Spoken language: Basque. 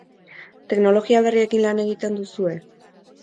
Teknologia berriekin lan egiten duzue?